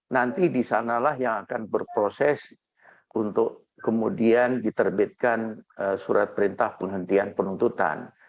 nanti disanalah yang akan berproses untuk kemudian diterbitkan surat perintah penghentian penuntutan